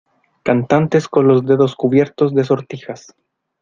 cantantes con los dedos cubiertos de sortijas,